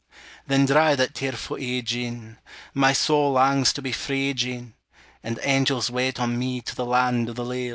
Then dry that tearfu' ee, Jean, My soul langs to be free, Jean, And angels wait on me To the land o' the leal!